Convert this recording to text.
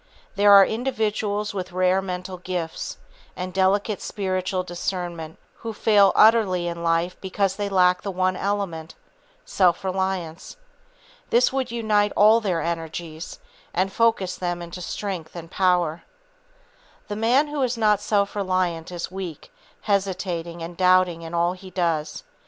There are individuals with rare mental gifts, and delicate spiritual discernment who fail utterly in life because they lack the one element, self reliance. This would unite all their energies, and focus them into strength and power. The man who is not self reliant is weak, hesitating and doubting in all he does.